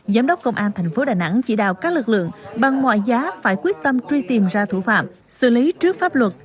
giám đốc công an thành phố đà nẵng chỉ đào các lực lượng bằng mọi giá phải quyết tâm truy tìm ra thủ phạm xử lý trước pháp luật